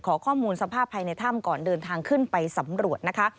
ขอข้อมูลสภาพภายในถ้ำก่อนเดินทางขึ้นไปสำรวจนะคะ